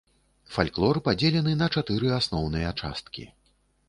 Фальклор падзелены на чатыры асноўныя часткі.